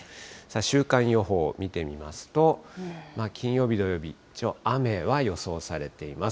週間予報見てみますと、金曜日、土曜日、一応、雨は予想されています。